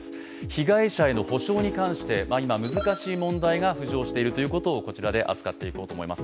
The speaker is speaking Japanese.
被害者への補償に関して今、難しい問題が浮上しているということをこちらで扱っていこうと思います。